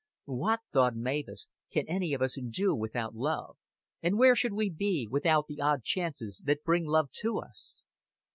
"What," thought Mavis, "can any of us do without love? And where should we be without the odd chances that bring love to us?"